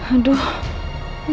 aduh kemana nih